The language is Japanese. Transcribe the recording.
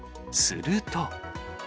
すると。